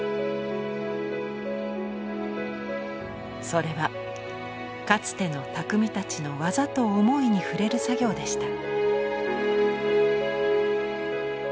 それはかつての匠たちの技と思いに触れる作業でした。